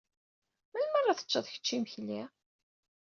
Melmi ara teččeḍ kečč imekli?